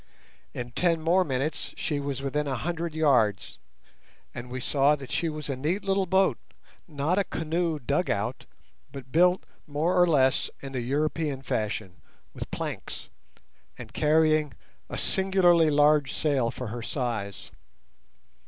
In ten more minutes she was within a hundred yards, and we saw that she was a neat little boat—not a canoe "dug out", but built more or less in the European fashion with planks, and carrying a singularly large sail for her size.